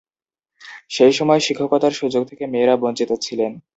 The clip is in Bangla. সেইসময় শিক্ষকতার সুযোগ থেকে মেয়েরা বঞ্চিত ছিলেন।